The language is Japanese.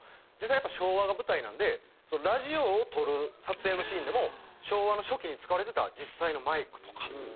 実際昭和が舞台なんでラジオをとる撮影のシーンでも昭和の初期に使われてた実際のマイクとか。